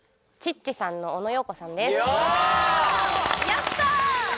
やった！